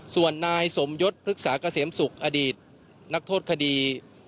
ส่วนนายสมยศพฤกษาเกษมศุกร์อดีตนักโทษคดี